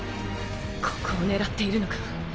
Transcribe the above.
ここを狙っているのか。